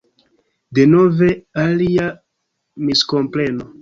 Denove alia miskompreno.